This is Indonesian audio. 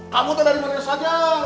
kamu tuh dari mereka saja